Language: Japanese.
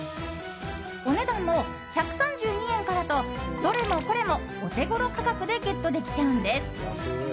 お値段も１３２円からとどれもこれもオテゴロ価格でゲットできちゃうんです。